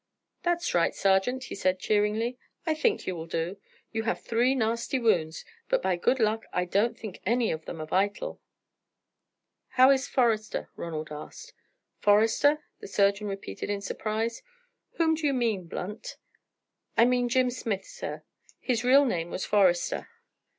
"That's right, sergeant," he said, cheeringly, "I think you will do. You have three nasty wounds, but by good luck I don't think any of them are vital." "How is Forester?" Ronald asked. "Forester?" the surgeon repeated in surprise, "Whom do you mean, Blunt?" "I mean Jim Smith, sir; his real name was Forester."